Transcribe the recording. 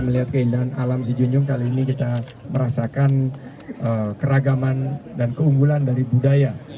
melihat keindahan alam si junjung kali ini kita merasakan keragaman dan keunggulan dari budaya